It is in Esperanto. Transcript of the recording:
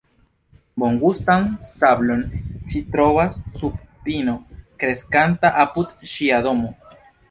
Bongustan sablon ŝi trovas sub pino kreskanta apud ŝia domo.